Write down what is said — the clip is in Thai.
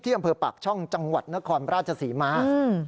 อำเภอปากช่องจังหวัดนครราชศรีมา